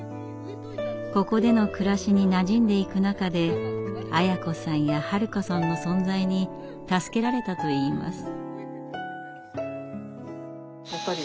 ここでの暮らしになじんでいく中でアヤ子さんやハル子さんの存在に助けられたといいます。